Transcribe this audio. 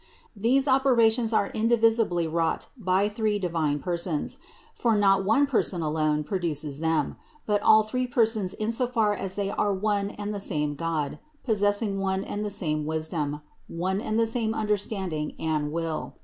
These operations are indivisibly wrought by three divine Per sons; for not one Person alone produces them, but all Three in so far as They are one and the same God, pos sessing one and the same wisdom, one and the same understanding and will.